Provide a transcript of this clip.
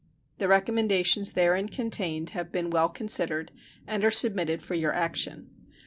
The recommendations therein contained have been well considered, and are submitted for your action.